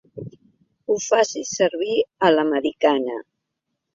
Ho faci servir a l'americana.